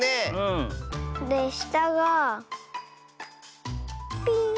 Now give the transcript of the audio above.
でしたがピン。